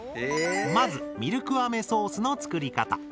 まずミルク飴ソースの作り方。